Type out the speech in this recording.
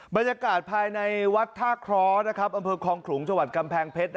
บรรยากาศภายในวัดธาคร้ออเมืองคองขลุงชาวัดกำแพงเพชร